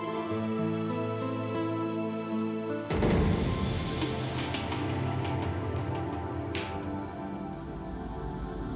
tempat pengantar l charismatic maksimal untuk memenatkan diri